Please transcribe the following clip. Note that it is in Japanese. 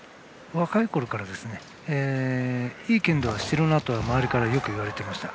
若いころからいい剣道をしているなと周りからよく言われていました。